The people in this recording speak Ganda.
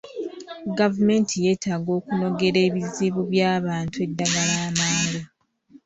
Gavumenti yeetaaga okunogera ebizibu by'abantu eddagala amangu.